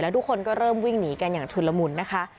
ทุกคนก็เริ่มวิ่งหนีกันอย่างชุนละมุนนะคะ